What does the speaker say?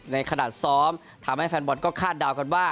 ในขณะซ้อมทำให้แฟนบอลก็คาดเดากันว่า